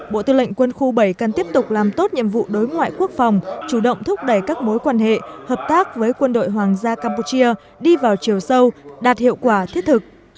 bộ tư lệnh quân khu bảy cần tiếp tục làm tốt nhiệm vụ đối ngoại quốc phòng chủ động thúc đẩy các mối quan hệ hợp tác với quân đội hoàng gia campuchia đi vào chiều sâu đạt hiệu quả thiết thực